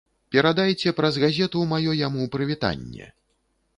Перадайце праз газету маё яму прывітанне!